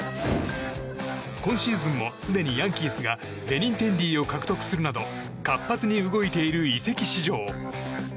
今シーズンもすでにヤンキースがベニンテンディを獲得するなど活発に動いている移籍市場。